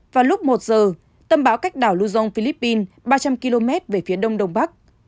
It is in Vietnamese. vào lúc một giờ tâm bão cách đảo luzon philippines ba trăm linh km về phía đông đông bắc